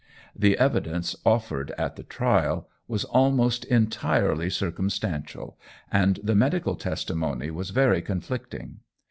The evidence offered at the trial was almost entirely circumstantial, and the medical testimony was very conflicting.